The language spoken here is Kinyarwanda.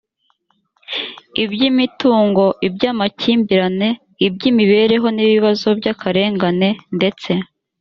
iby imitungo iby amakimbirane iby imibereho n ibibazo by akarengane ndetse